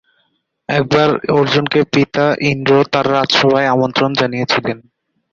একবার অর্জুনকে পিতা ইন্দ্র তাঁর রাজসভায় আমন্ত্রণ জানিয়েছিলেন।